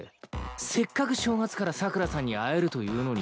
せっかく正月からサクラさんに会えるというのに